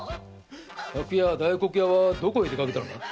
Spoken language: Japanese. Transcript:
昨夜大黒屋はどこへ出かけたのだ？